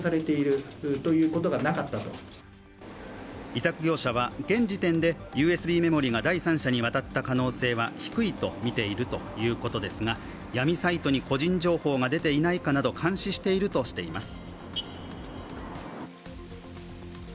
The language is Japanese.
委託業者は現時点でＵＳＢメモリーが第三者に渡った可能性は低いとみているということですが、闇サイトに個人情報が出ていないかなど監視しているといいます。